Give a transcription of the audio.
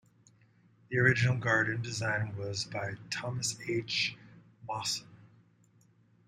The original garden design was by Thomas h. Mawson.